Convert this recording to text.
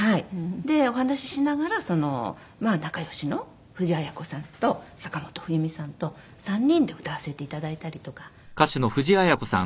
でお話ししながら仲良しの藤あや子さんと坂本冬美さんと３人で歌わせていただいたりとか少しずつリハビリを。